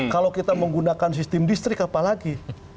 kalau kita menggunakan sistem distrik apalagi